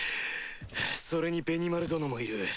それにベニマル殿もいる。